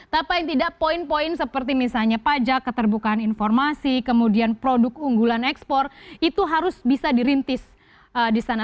tapi tidak poin poin seperti misalnya pajak keterbukaan informasi kemudian produk unggulan ekspor itu harus bisa dirintis di sana